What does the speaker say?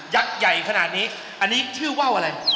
ใหญ่ขนาดนี้อันนี้ชื่อว่าวอะไร